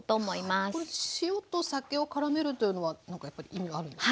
この塩と酒をからめるというのは何かやっぱり意味があるんですか？